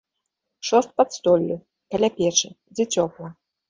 Шост пад столлю, каля печы, дзе цёпла.